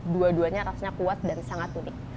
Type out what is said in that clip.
dua duanya rasanya kuat dan sangat unik